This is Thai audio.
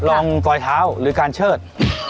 ลองปล่อยเท้าหรือการเชิด